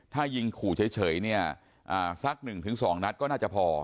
ถ้ายิงขู่เฉยสักหนึ่งถึงสองนัดก็น่าจะพอ